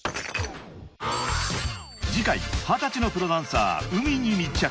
［次回二十歳のプロダンサーＵＭＩに密着］